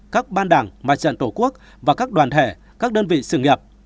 các ban đảng mặt trận tổ quốc và các đoàn thể các đơn vị sự nghiệp